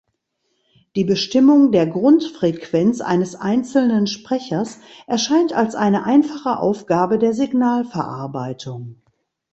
Die Bestimmung der Grundfrequenz eines einzelnen Sprechers erscheint als eine einfache Aufgabe der Signalverarbeitung.